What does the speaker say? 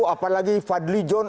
apalagi fadli john